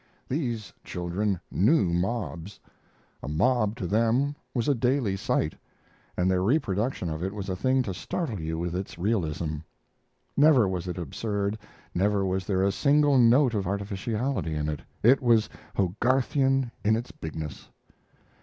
These children knew mobs! A mob to them was a daily sight, and their reproduction of it was a thing to startle you with its realism. Never was it absurd; never was there a single note of artificiality in it. It was Hogarthian in its bigness.